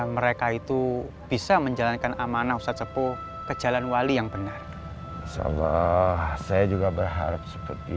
mereka itu bisa menjalankan amanah ustadz sepuh ke jalan wali yang benar insya allah saya juga berharap seperti